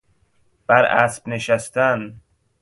بر اسب نشستن